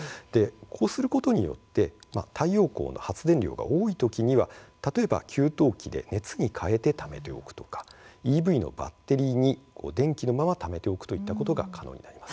こうすることによって太陽光の発電量が多いときには給湯器で熱に変えてためておくとかＥＶのバッテリーに電気のままためておくということが可能になります。